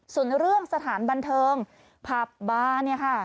ส่วนเรื่องสถานบันเทิงผับบ้าน